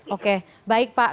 oke baik pak